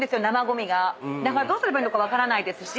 だからどうすればいいか分からないですし。